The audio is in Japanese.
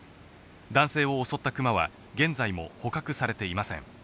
男性を襲ったクマは、現在も捕獲されていません。